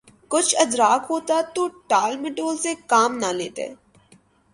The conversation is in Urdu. کچھ ادراک ہوتا تو ٹال مٹول سے کام نہ لیتے۔